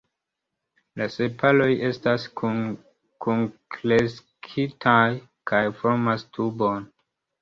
La sepaloj estas kunkreskintaj kaj formas tubon.